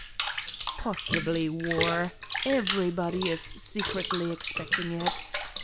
"Possibly war. Everybody is secretly expect ing it.